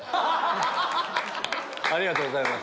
ありがとうございます。